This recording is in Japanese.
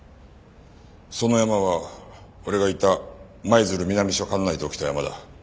そのヤマは俺がいた舞鶴南署管内で起きたヤマだ。